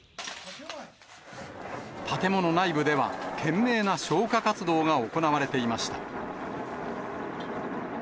建物内部では、懸命な消火活動が行われていました。